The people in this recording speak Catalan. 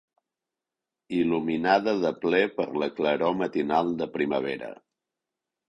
...il·luminada de ple per la claror matinal de primavera.